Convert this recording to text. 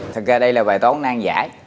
thật ra đây là bài toán nang giải